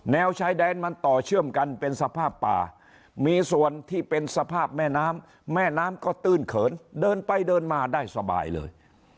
ชายแดนมันต่อเชื่อมกันเป็นสภาพป่ามีส่วนที่เป็นสภาพแม่น้ำแม่น้ำก็ตื้นเขินเดินไปเดินมาได้สบายเลย